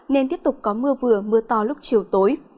nên tiếp tục có mưa vừa mưa to lúc chiều tối